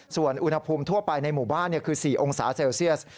ส่วนอุณหภูมิทั่วไปในหมู่บ้านคือ๔องศาเซลเซียส